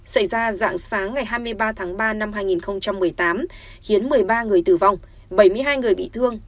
xảy ra dạng sáng ngày hai mươi ba tháng ba năm hai nghìn một mươi tám khiến một mươi ba người tử vong bảy mươi hai người bị thương